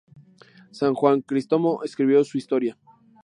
San Juan Crisóstomo escribió su historia.